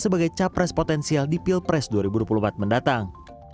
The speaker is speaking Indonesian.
sebagai capres potensial di pilpres dua ribu dua puluh empat mendatang